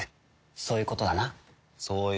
そういうことだ。